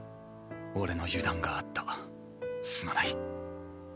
俺の油断があったすまない。